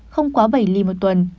không quá bảy ly một tuần